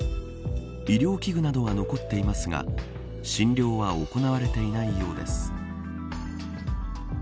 医療器具などが残っていますが診療は行われていないようです。